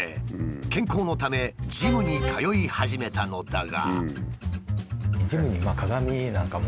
健康のためジムに通い始めたのだが。